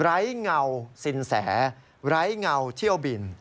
ไร้เงาสินแสไร้เงาเที่ยวบิน